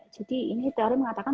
jadi ini teori mengatakan